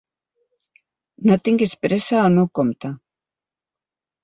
No tinguis pressa al meu compte.